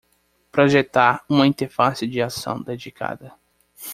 Projetar uma interface de ação dedicada